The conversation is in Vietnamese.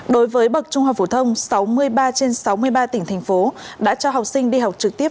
đối với bậc trung học phổ thông sáu mươi ba trên sáu mươi ba tỉnh thành phố đã cho học sinh đi học trực tiếp